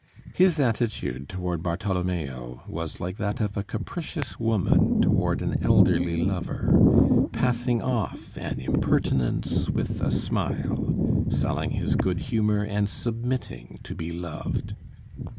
His attitude toward Bartholomeo was like that of a capricious woman toward an elderly lover, passing off an impertinence with a smile, selling his good humor and submitting to be loved.